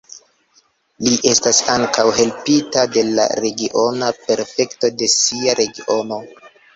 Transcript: Li estas ankaŭ helpita de la regiona prefekto de sia regiono.